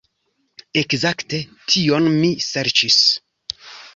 Ekzakte tion mi serĉis.